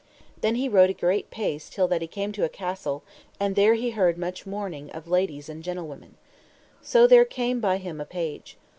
Then he rode a great pace till that he came to a castle, and there he heard much mourning of ladies and gentlewomen. So there came by him a page.